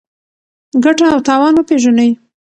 ګټه او تاوان وپېژنئ.